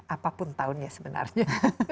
apapun tahunnya sebenarnya